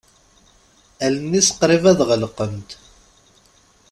Allen-is qrib ad ɣelqent.